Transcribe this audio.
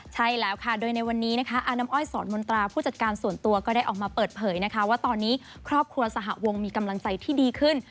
ใช่แล้วค่ะโดยในวันนี้นะคะอาน้ำอ้อยสอนมนตราผู้จัดการส่วนตัวก็ได้ออกมาเปิดเผยนะคะว่าตอนนี้ครอบครัวสหวงมีกำลังใจที่ดีขึ้น